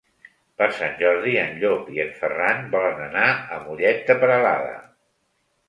Per Sant Jordi en Llop i en Ferran volen anar a Mollet de Peralada.